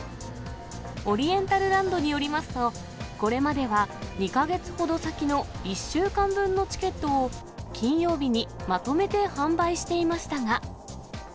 オリエンタルランドによりますと、これまでは２か月ほど先の１週間分のチケットを、金曜日にまとめて販売していましたが。